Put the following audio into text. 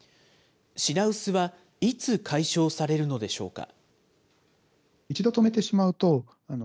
品薄は、いつ解消されるのでしょうか。